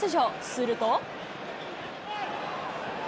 すると。